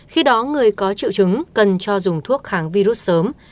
khi đó người có triệu chứng cần cho dùng thuốc kháng virus sớm